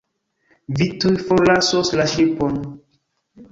Vi tuj forlasos la ŝipon.